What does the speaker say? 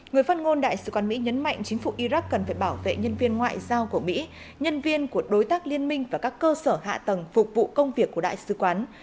người phát ngôn đại sứ quán mỹ nhấn mạnh chính phủ iraq cần phải bảo vệ nhân viên ngoại giao của mỹ nhân viên của đối tác liên minh và các cơ sở hạ tầng phục vụ công việc của đại sứ quán